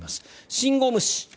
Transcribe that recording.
信号無視。